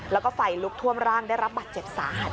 แล้วก็ไฟลุกท่วมร่างได้รับบัตรเจ็บสาหัส